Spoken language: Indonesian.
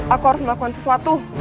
aku harus melakukan sesuatu